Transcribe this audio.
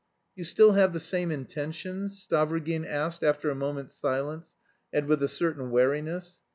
"You still have the same intentions?" Stavrogin asked after a moment's silence, and with a certain wariness.